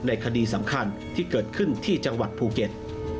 คดีสำคัญที่เกิดขึ้นที่จังหวัดภูเก็ต